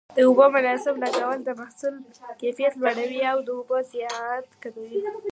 د اوبو مناسب لګول د محصول کیفیت لوړوي او د اوبو ضایعات کموي.